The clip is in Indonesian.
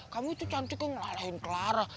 kamu itu cantiknya ngalahin clara